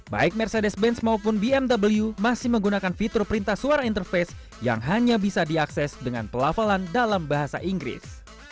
baik mercedes benz maupun bmw masih menggunakan fitur perintah suara interface yang hanya bisa diakses dengan pelafalan dalam bahasa inggris